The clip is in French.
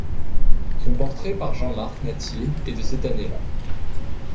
Son portrait par Jean-Marc Nattier est de cette année là.